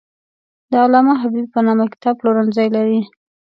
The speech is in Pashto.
د علامه حبیبي په نامه کتاب پلورنځی لري.